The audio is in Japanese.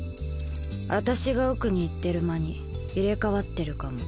あたしが奥に行ってる間に入れ替わってるかも。